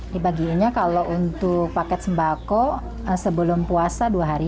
dibagiinnya kalau untuk paket sembako sebelum puasa dua hari